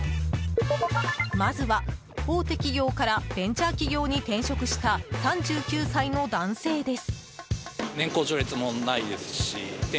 まずは大手企業からベンチャー企業に転職した３９歳の男性です。